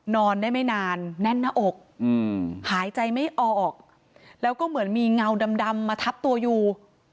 นอนได้ไม่นานแน่นหน้าอกหายใจไม่ออกแล้วก็เหมือนมีเงาดำมาทับตัวอยู่